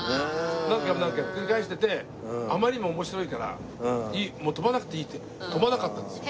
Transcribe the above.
何回も何回も繰り返しててあまりにも面白いからもう飛ばなくていいって飛ばなかったんですよ。